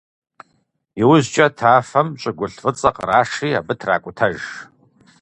ИужькӀэ тафэм щӀыгулъ фӀыцӀэ кърашри абы тракӀутэж.